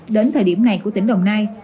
đến thời điểm này của tỉnh đồng nai